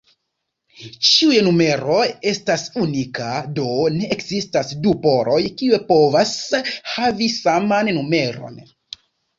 Ĉiuj numero estas unika, do ne ekzistas du poloj kiu povas havi saman numeron.